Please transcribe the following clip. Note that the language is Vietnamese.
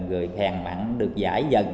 rồi hèn mặn được giải dần